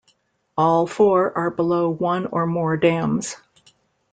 All four are below one or more dams.